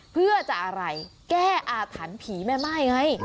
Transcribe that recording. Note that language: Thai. เพื่อจะอะไรแก้อาถรรพ์ผีแม่ม่ายไง